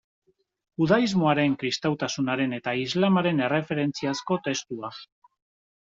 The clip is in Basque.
Judaismoaren, kristautasunaren eta islamaren erreferentziazko testua.